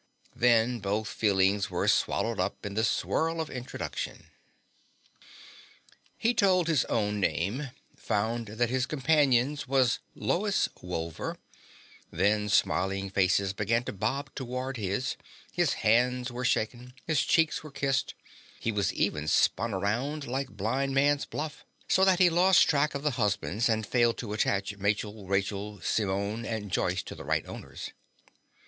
Then both feelings were swallowed up in the swirl of introduction. He told his own name, found that his companion's was Lois Wolver, then smiling faces began to bob toward his, his hands were shaken, his cheeks were kissed, he was even spun around like blind man's bluff, so that he lost track of the husbands and failed to attach Mary, Rachel, Simone and Joyce to the right owners.